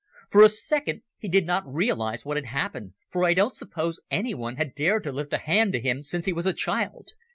For a second he did not realize what had happened, for I don't suppose anyone had dared to lift a hand to him since he was a child.